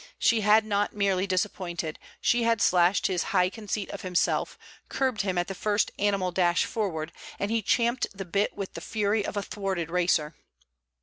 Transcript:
She had not merely disappointed, she had slashed his high conceit of himself, curbed him at the first animal dash forward, and he champed the bit with the fury of a thwarted racer.